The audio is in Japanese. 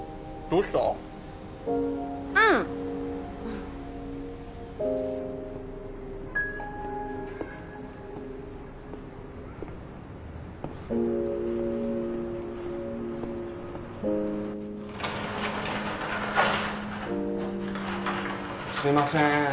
うんすいません